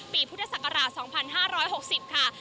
ปีพุทธศักราช๒๕๖๐ค่ะ